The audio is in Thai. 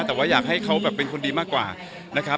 แต่อยากให้เขาเป็นคนดีมากกว่า